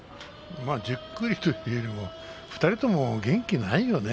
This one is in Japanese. じっくりというよりも２人とも元気ないよね。